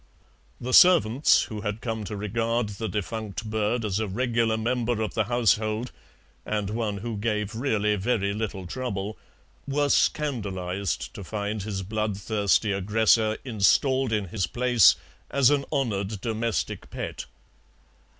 The servants, who had come to regard the defunct bird as a regular member of the household, and one who gave really very little trouble, were scandalized to find his bloodthirsty aggressor installed in his place as an honoured domestic pet.